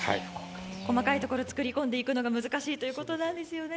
細かいところを作り込んでいくところが難しいということなんですよね。